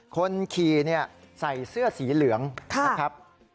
คนขี่ใส่เสื้อสีเหลืองนะครับ